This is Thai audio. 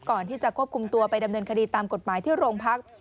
ก่อนที่จะควบคุมตัวไปดำเนินคดีตามกฎหมายที่โรงพัก